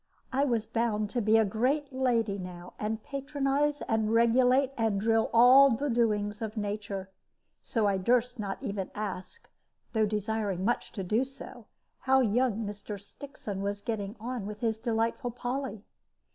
I was bound to be a great lady now, and patronize and regulate and drill all the doings of nature. So I durst not even ask, though desiring much to do so, how young Mr. Stixon was getting on with his delightful Polly.